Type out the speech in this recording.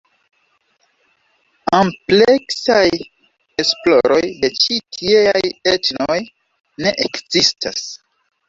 Ampleksaj esploroj de ĉi tieaj etnoj ne ekzistas.